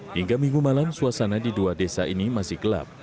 hingga minggu malam suasana di dua desa ini masih gelap